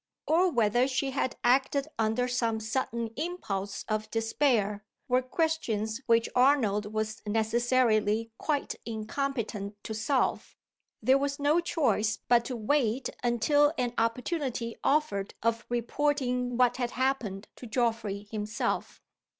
or whether she had acted under some sudden impulse of despair? were questions which Arnold was necessarily quite incompetent to solve. There was no choice but to wait until an opportunity offered of reporting what had happened to Geoffrey himself.